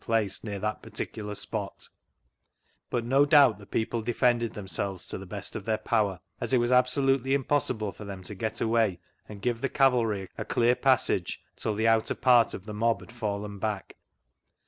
ce near that particular spot ; but no doubt the people defended themselves to the best of their power, as it was absolutely impossible for them to get away and give the cavalry a clean passage till the outer part of the mob had fallen back.